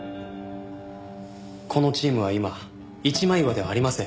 このチームは今一枚岩ではありません。